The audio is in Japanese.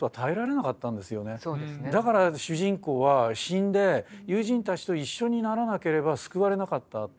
だから主人公は死んで友人たちと一緒にならなければ救われなかった。